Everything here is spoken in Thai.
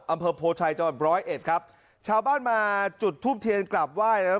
อำเภอโพชัยเจ้าอันบร้อยเอ็ดครับชาวบ้านมาจุดทุบเทียนกลับไหว้